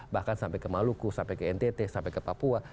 bahkan sampai ke maluku sampai ke ntt sampai ke papua